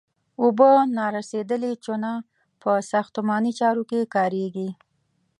اوبه نارسیدلې چونه په ساختماني چارو کې کاریږي.